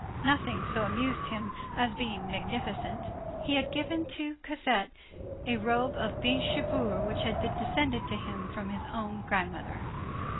Nothing so amused him as being magnificent. He had given to Cosette a robe of Binche guipure which had descended to him from his own grandmother.